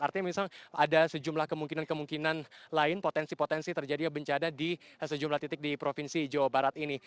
artinya misalnya ada sejumlah kemungkinan kemungkinan lain potensi potensi terjadinya bencana di sejumlah titik di provinsi jawa barat ini